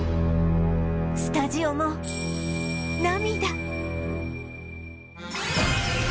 スタジオも涙